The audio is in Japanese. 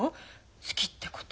好きってこと。